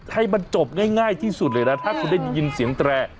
ให้มันจบง่ายที่สุดเลยนะถ้าคุณได้ยินเสียงแตร